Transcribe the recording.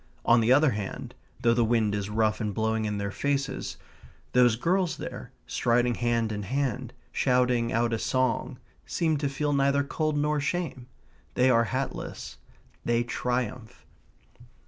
On the other hand, though the wind is rough and blowing in their faces, those girls there, striding hand in hand, shouting out a song, seem to feel neither cold nor shame. They are hatless. They triumph.